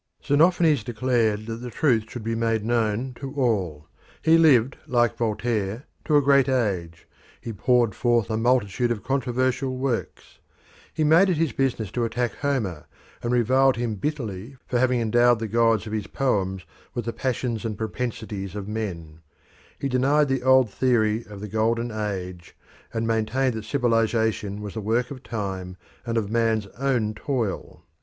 Xenophanes declared that the truth should be made known to all. He lived, like Voltaire, to a great age; he poured forth a multitude of controversial works; he made it his business to attack Homer, and reviled him bitterly for having endowed the gods of his poems with the passions and propensities of men; he denied the old theory of the Golden Age, and maintained that civilisation was the work of time and of man's own toil.